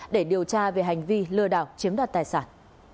để điều tra về hành vi lừa đảo chiếm đoạt tài sản